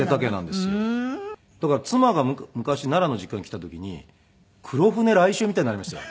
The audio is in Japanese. だから妻が昔奈良の実家に来た時に黒船来襲みたいになりましたよ。